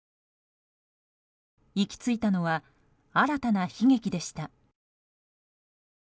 行きついたのは新たな悲劇でした。